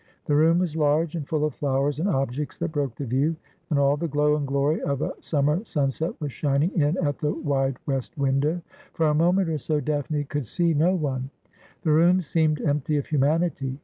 The room was large, and full of flowers and objects that broke the view ; and all the glow and glory of a summer sunset •was shining in at the wide west window. For a moment or so Daphne could see no one ; the room seemed empty of humanity.